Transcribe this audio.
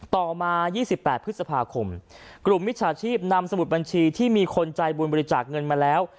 ต่อมา๒๘พฤษภาคมกลุ่มมิจฉาชีพนำสมุดบัญชีที่มีคนใจบุญบริจาคเงินมาแล้ว